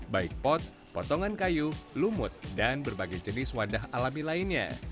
baik pot potongan kayu lumut dan berbagai jenis wadah alami lainnya